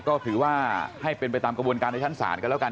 ก็ถือว่าให้เป็นไปตามกระบวนการในชั้นศาลกันแล้วกัน